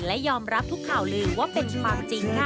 และยอมรับทุกข่าวลือว่าเป็นความจริงค่ะ